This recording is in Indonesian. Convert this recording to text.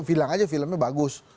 bilang aja filmnya bagus